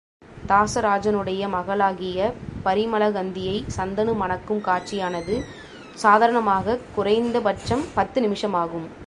தாசராஜனுடைய மகளாகிய பரிமளகந்தியை சந்தனு மணக்கும் காட்சியானது, சாதாரணமாகக் குறைந்த பட்சம் பத்து நிமிஷமாகும்.